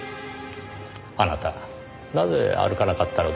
あなたなぜ歩かなかったのでしょう？